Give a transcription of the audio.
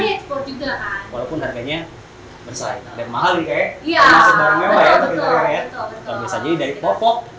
biasanya dari popok fibernya bisa menjadi bahan baku